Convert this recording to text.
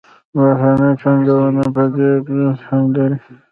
بهرنۍ پانګونه بدې اغېزې هم لري.